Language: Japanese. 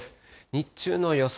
日中の予想